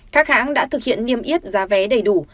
các hãng đã thực hiện niêm yết giá vé đầy đủ